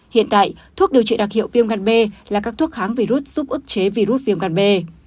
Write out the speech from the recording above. hiện tại thuốc điều trị đặc hiệu viêm gan b là các thuốc kháng virus giúp ước chế virus viêm gan b